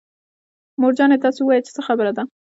مور جانې تاسو ووايئ چې څه خبره ده.